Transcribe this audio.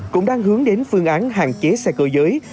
cũng đang hướng đến phương án hạn chế xe cơ giới